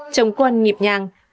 chống quân nhịp nhàng